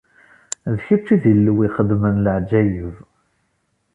D kečč i d Illu ixeddmen leɛǧayeb.